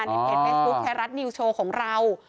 ในเพจเฟซบุ๊คไทยรัฐนิวโชว์ของเรา